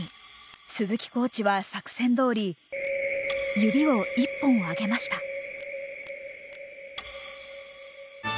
鈴木コーチは作戦どおり指を１本上げました。